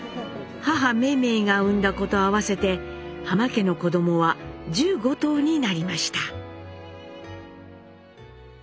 母・梅梅が産んだ子と合わせて浜家の子どもは１５頭になりました。